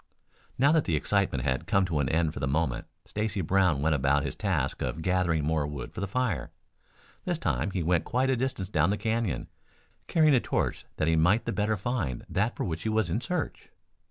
Now that the excitement had come to an end for the moment Stacy Brown went about his task of gathering more wood for the fire. This time he went quite a distance down the canyon, carrying a torch that he might the better find that for which he was in search.